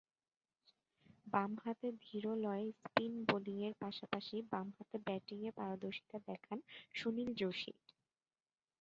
বামহাতে ধীরলয়ে স্পিন বোলিংয়ের পাশাপাশি বামহাতে ব্যাটিংয়ে পারদর্শীতা দেখান সুনীল জোশী।